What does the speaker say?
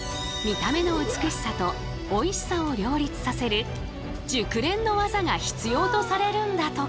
見た目の美しさとおいしさを両立させる熟練の技が必要とされるんだとか。